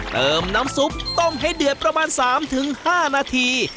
เติมน้ำซุปต้มให้เดือดประมาณ๓๕นาที